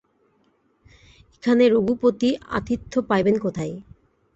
এখানে রঘুপতি আতিথ্য পাইবেন কোথায়।